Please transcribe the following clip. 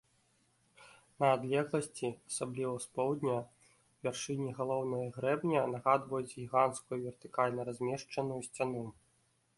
На адлегласці, асабліва з поўдня, вяршыні галоўнага грэбня нагадваюць гіганцкую вертыкальна размешчаную сцяну.